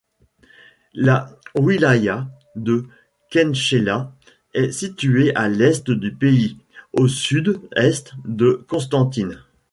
La wilaya de Khenchela est située à l’Est du pays, au sud-est de Constantine.